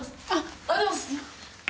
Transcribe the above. おはようございます！